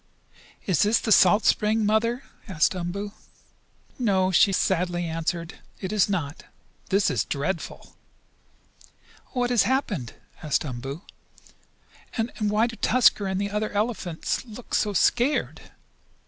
"Is this the salt spring, Mother?" asked Umboo. "No," she sadly answered. "It is not. This is dreadful!" "What has happened?" asked Umboo. "And why do Tusker and the other big elephants look so scared?"